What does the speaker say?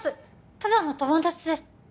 ただの友達です